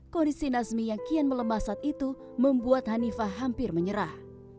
kondisi nazmi yang kian melemah saat itu membuat hanifah hampir menyerah